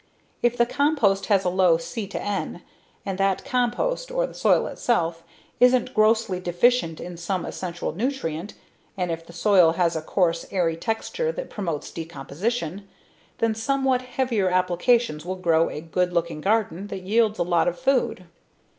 If the compost has a low C/N and that compost, or the soil itself, isn't grossly deficient in some essential nutrient, and if the soil has a coarse, airy texture that promotes decomposition, then somewhat heavier applications will grow a good looking garden that yields a lot of food.